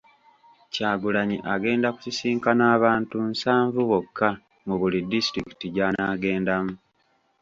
Kyagulanyi agenda kusisinkana abantu nsanvu bokka mu buli disitulikiti gy'anaagendamu.